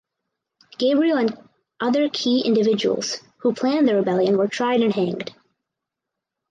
Gabriel and other key individuals who planned the rebellion were tried and hanged.